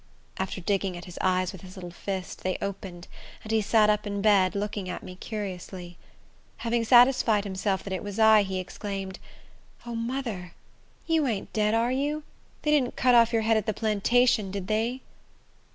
After digging at his eyes with his little fist, they opened, and he sat up in bed, looking at me curiously. Having satisfied himself that it was I, he exclaimed, "O mother! you ain't dad, are you? They didn't cut off your head at the plantation, did they?"